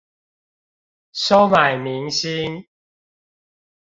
收買民心